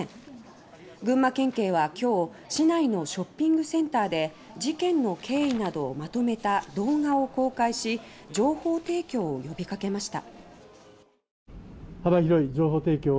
群馬県警はきょう市内のショッピングセンターで事件の経緯などをまとめた動画を公開し情報提供を呼びかけました。